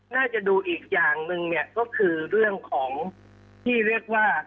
น่าจะดูอีกอย่างหนึ่งเนี่ยก็คือเรื่องของที่เรียกว่า